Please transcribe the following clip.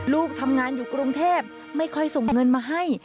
ลูกทำงานอยู่กรุงเทพไม่ค่อยส่งเงินมาให้